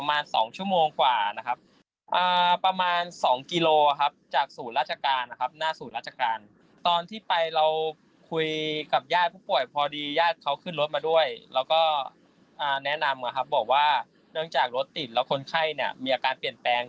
บอกว่านอกจากรถติดแล้วคนไข้มีอาการเปลี่ยนแปลง